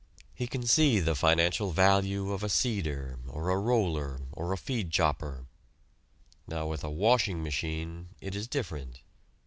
He can see the financial value of a seeder, or a roller, or a feed chopper. Now, with a washing machine it is different.